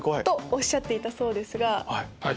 おっしゃっていたそうですが。